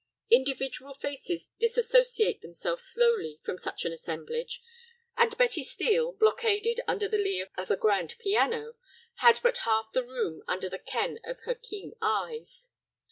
Individual faces disassociate themselves slowly from such an assemblage, and Betty Steel, blockaded under the lee of a grand piano, had but half the room under the ken of her keen eyes.